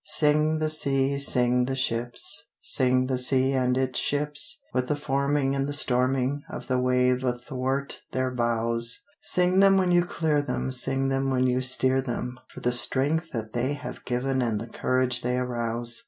Sing the sea, sing the ships, Sing the sea and its ships, With the forming and the storming Of the wave athwart their bows; Sing them when you clear them, Sing them when you steer them, For the strength that they have given And the courage they arouse.